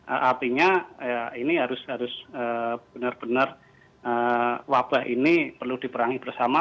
artinya ini harus benar benar wabah ini perlu diperangi bersama